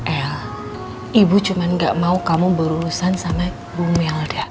eh ibu cuma gak mau kamu berurusan sama bu melda